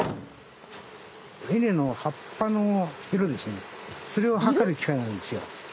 稲の葉っぱの色ですねそれを測る機械なんですよ。